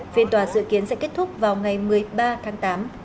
phiên tòa dự kiến sẽ kết thúc vào ngày một mươi ba tháng tám